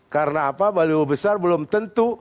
karena apa baliho besar belum tentu